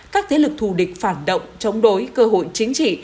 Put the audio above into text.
các thế lực thù địch phản động chống đối cơ hội chính trị